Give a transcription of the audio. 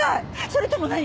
それとも何？